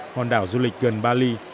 hòn đảo du lịch gần bali